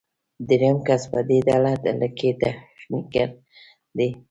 دریم کس په دې ډله کې تخنیکګر دی.